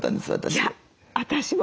いや私も。